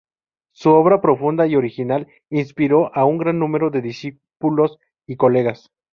Su obra, profunda y original, inspiró a un gran número de discípulos y colegas.